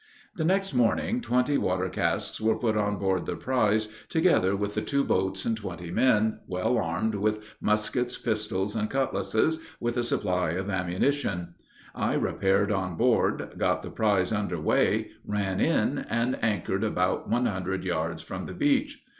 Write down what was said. The next morning, twenty water casks were put on board the prize, together with the two boats and twenty men, well armed with muskets, pistols, and cutlasses, with a supply of ammunition; I repaired on board, got the prize under way, ran in, and anchored about one hundred yards from the beach.